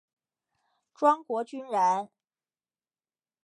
庄国钧人。